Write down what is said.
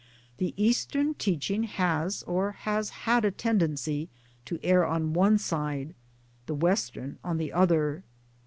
The Eastern teaching has or has had a tendency to err on one side, the Western on the other.